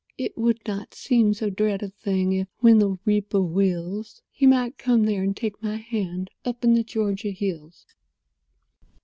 It would not seem so dread a thing If, when the Reaper wills, He might come there and take my hand Up in the Georgia hills."